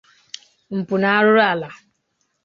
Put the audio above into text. mpụ na arụrụala